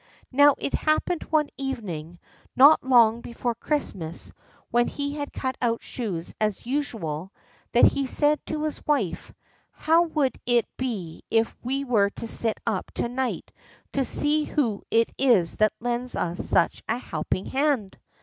Now it happened one evening, not long before Christmas, when he had cut out shoes as usual, that he said to his wife: "How would it be if we were to sit up to night to see who it is that lends us such a helping hand?"